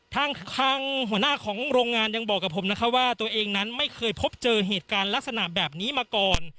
ทางหัวหน้าของโรงงานยังบอกกับผมนะคะว่าตัวเองนั้นไม่เคยพบเจอเหตุการณ์ลักษณะแบบนี้มาก่อน